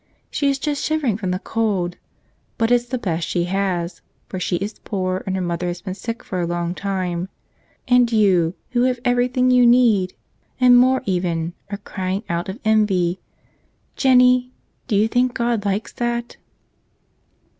She is just shivering from the cold. But it's the best she has; for she is poor and her mother has been sick for a long time. And you, who have everything you need, and more even, are crying out of envy. Jennie, do you think God likes that?"